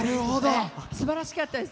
すばらしかったです。